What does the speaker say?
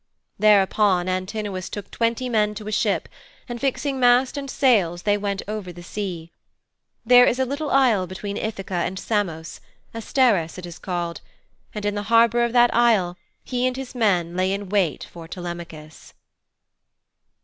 Thereupon Antinous took twenty men to a ship, and fixing mast and sails they went over the sea. There is a little isle between Ithaka and Samos Asteris it is called and in the harbour of that isle he and his men lay in wait for Telemachus.